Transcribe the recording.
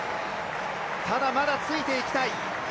ただまだついていきたい。